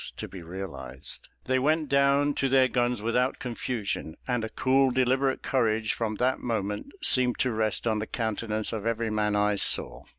to be realised. They went down to their guns without confusion; and a cool, deliberate courage from that moment seemed to rest on the countenance of every man I saw.